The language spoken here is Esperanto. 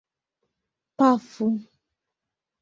Pafu!